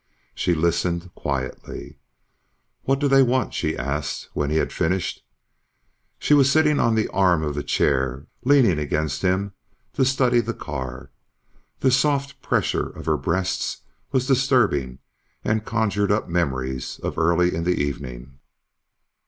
She listened quietly. "What do they want?" She asked, when he'd finished. She was sitting on the arm of the chair, leaning against him to study the car. The soft pressure of her breasts was disturbing and conjured up memories of early in the evening.